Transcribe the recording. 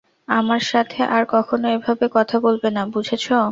আমার সাথে আর কখনো এভাবে কথা বলবে না, বুঝেছ?